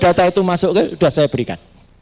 data itu masuk sudah saya berikan